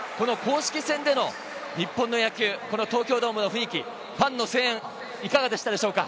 オープン戦での登板もありますが、公式戦での日本の野球、東京ドームの雰囲気、ファンの声援はいかがでしたでしょうか？